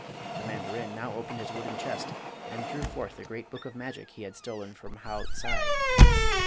The mandarin now opened his wooden chest and drew forth the Great Book of Magic he had stolen from Haot sai.